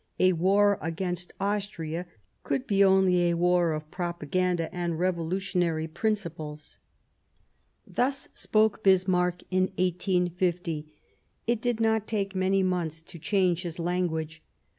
... A war against Austria could be only a war of propaganda and revolutionary principles." Thus spoke Bismarck in 1850 ; it did not take many months to change his language.